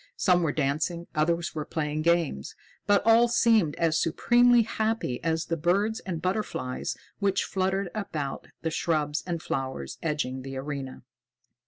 Some were dancing, others were playing games, but all seemed as supremely happy as the birds and butterflies which fluttered about the shrubs and flowers edging the arena.